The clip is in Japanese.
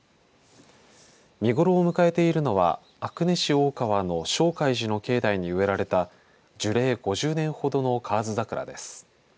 見頃を迎えているのは阿久根市大河の證海寺の境内に植えられた樹齢５０年ほどの河津桜です。